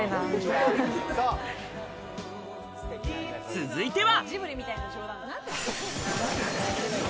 続いては。